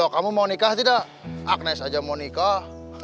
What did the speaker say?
kamu mau nikah tidak agnez saja mau nikah